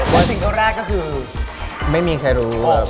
เบอร์ชักอย่างขเราครับ